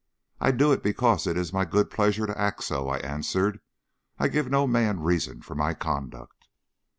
"I do it because it is my good pleasure to act so," I answered. "I give no man reasons for my conduct."